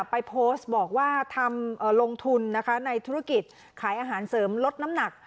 ไปโพสต์บอกว่าทำลงทุนนะคะในธุรกิจขายอาหารเสริมลดน้ำหนัก